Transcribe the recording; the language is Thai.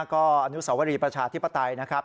ก็อนุสวรีประชาธิปไตยนะครับ